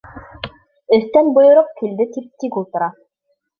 Өҫтән бойороҡ килде, тип тик ултыра.